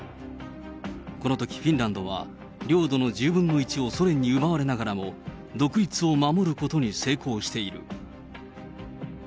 このときフィンランドは領土の１０分の１をソ連に奪われながらも、独立を守ることに成功している。